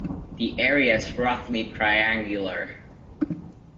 The area is roughly triangular.